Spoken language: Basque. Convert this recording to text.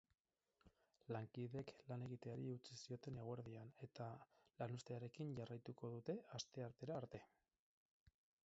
Lankideek lan egiteari utzi zioten eguerdian, eta lanuztearekin jarraituko dute asteartera arte.